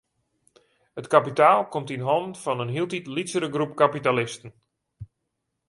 It kapitaal komt yn hannen fan in hieltyd lytsere groep kapitalisten.